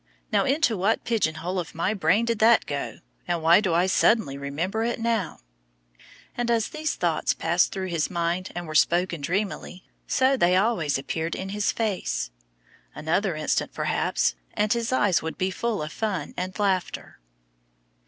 "Now into what pigeon hole of my brain did that go, and why do I suddenly remember it now?" And as these thoughts passed through his mind and were spoken dreamily, so they also appeared in his face. Another instant, perhaps, and his eyes would be full of fun and laughter.